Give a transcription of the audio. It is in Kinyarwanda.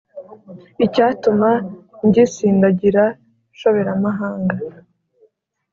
Icyatuma ngisindagira nshoberamahanga